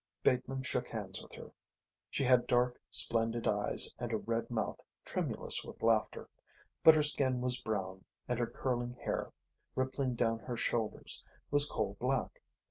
Bateman shook hands with her. She had dark, splendid eyes and a red mouth tremulous with laughter; but her skin was brown, and her curling hair, rippling down her shoulders, was coal black.